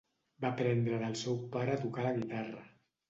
Va aprendre del seu pare a tocar la guitarra.